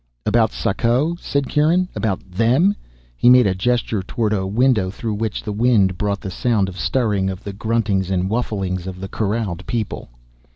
"About Sako?" said Kieran. "About them?" He made a gesture toward a window through which the wind brought the sound of stirring, of the gruntings and whufflings of the corralled people.